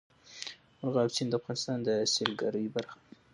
مورغاب سیند د افغانستان د سیلګرۍ برخه ده.